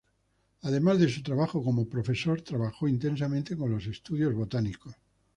Además de su trabajo como profesor, trabajó intensamente con los estudios botánicos.